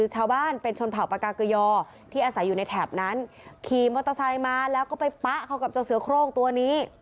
ชาวบ้านเป็นชนเผ่าปากาเกยอที่อาศัยอยู่ในแถบนั้นขี่มอเตอร์ไซค์มาแล้วก็ไปปะเข้ากับเจ้าเสือโครงตัวนี้